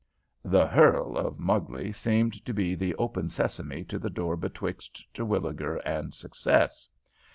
The "Hearl" of Mugley seemed to be the open sesame to the door betwixt Terwilliger and success.